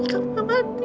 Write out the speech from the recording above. kamu enggak mati